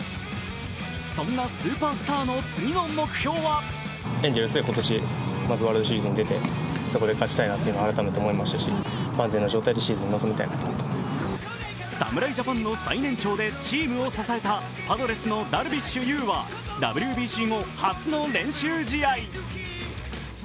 そんなスーパースターの次の目標は侍ジャパンの最年長でチームを支えたパドレスのダルビッシュ有はＷＢＣ後初の練習試合。